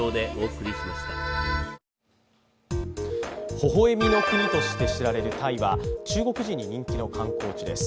微笑みの国として知られるタイは中国人に人気の観光地です。